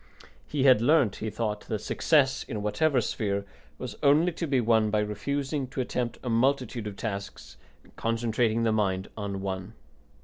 He had learnt, he thought, that success, in whatever sphere, was only to be won by refusing to attempt a multitude of tasks and concentrating the mind on one.